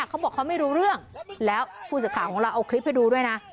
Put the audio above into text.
เขาบอกเขาไม่รู้เรื่องแล้วผู้สื่อข่าวของเราเอาคลิปให้ดูด้วยนะ